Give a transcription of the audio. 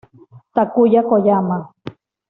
Takuya Koyama